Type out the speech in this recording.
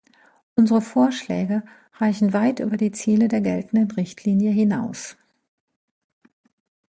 Unsere Vorschläge reichen weit über die Ziele der geltenden Richtlinie hinaus.